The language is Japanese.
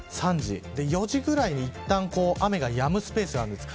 ４時ぐらいに一度雨がやむスペースがあります。